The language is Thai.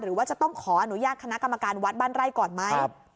หรือว่าจะต้องขออนุญาตคณะกรรมการวัดบ้านไร่ก่อนไหม